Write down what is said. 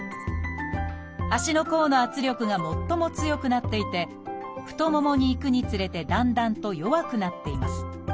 足の甲の圧力が最も強くなっていて太ももに行くにつれてだんだんと弱くなっています。